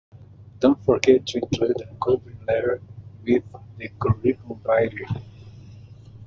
Don't forget to include a covering letter with the curriculum vitae.